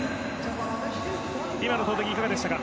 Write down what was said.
今の投てき、いかがでしたか？